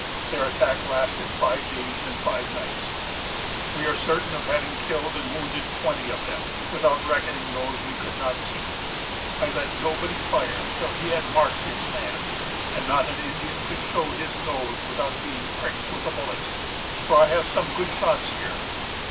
Their attack lasted five days and five nights. We are certain of having killed and wounded twenty of them, without reckoning those we could not see. I let nobody fire till he had marked his man; and not an Indian could show his nose without being pricked with a bullet, for I have some good shots here....